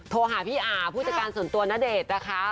โทรหาพี่อ่าผู้จัดการส่วนตัวณเดชน์นะคะ